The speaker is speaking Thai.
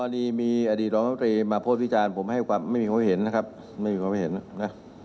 ไม่มีความคิดเห็นนะ